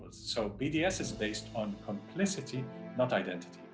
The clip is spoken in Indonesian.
bds berdasarkan keadilan bukan identitas